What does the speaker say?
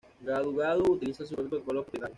Gadu-Gadu utiliza su propio protocolo propietario.